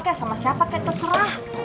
kah sama siapa kayak terserah